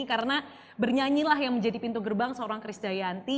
karena bernyanyilah yang menjadi pintu gerbang seorang chris jayanti